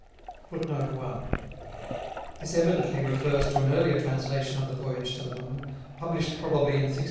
This evidently refers to an earlier translation of the Voyage to the Moon, published probably in 1660.